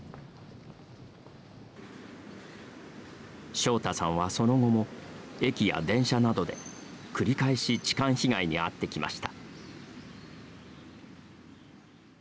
ショウタさんはその後も駅や電車などで繰り返し痴漢被害に遭ってきました。